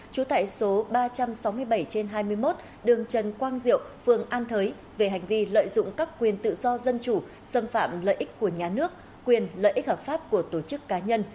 trú tại số ba trăm sáu mươi bảy trên hai mươi một đường trần quang diệu phường an thới về hành vi lợi dụng các quyền tự do dân chủ xâm phạm lợi ích của nhà nước quyền lợi ích hợp pháp của tổ chức cá nhân